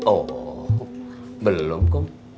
oh belum kum